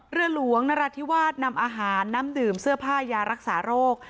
เรือหลวงนราธิวาสนำอาหารน้ำดื่มเสื้อผ้ายารักษาโรค